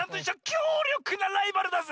きょうりょくなライバルだぜ！